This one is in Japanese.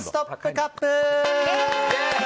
カップ！